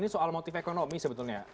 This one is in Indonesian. ini soal motif ekonomi sebetulnya